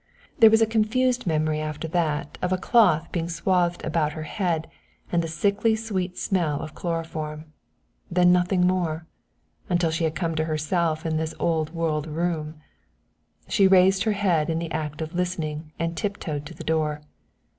There was a confused memory after that of a cloth being swathed about her head and the sickly sweet smell of chloroform. Then nothing more until she had come to herself in this old world room. She raised her head in the act of listening and tiptoed to the door.